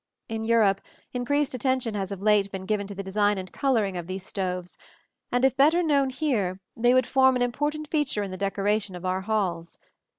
In Europe, increased attention has of late been given to the design and coloring of these stoves; and if better known here, they would form an important feature in the decoration of our halls.